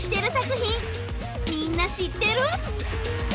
みんな知ってる？